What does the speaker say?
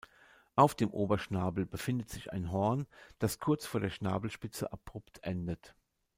Auf dem Oberschnabel befindet sich ein Horn, das kurz vor der Schnabelspitze abrupt endet.